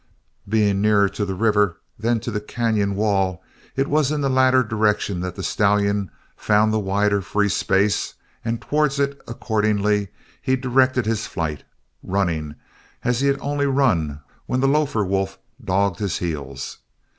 Being nearer to the river than to the cañon wall it was in the latter direction that the stallion found the wider free space and towards it, accordingly, he directed his flight, running as he had only run when the lofer wolf dogged his heels.